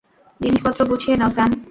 জিনিসপত্র গুছিয়ে নাও, স্যাম।